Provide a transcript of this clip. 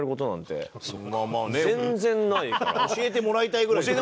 教えてもらいたいぐらいですよね。